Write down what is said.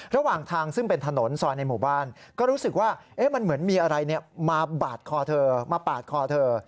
ระหว่างทางซึ่งเป็นถนนซอยในหมู่บ้านก็รู้สึกว่ามันเหมือนมีอะไรมาบาดคอเธอมาปาดคอเธอ